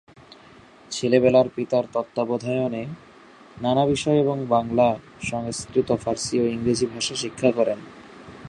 ছেলেবেলার পিতার তত্ত্বাবধানে নানা বিষয় এবং বাংলা, সংস্কৃত, ফার্সি ও ইংরেজি ভাষা শিক্ষা করেন।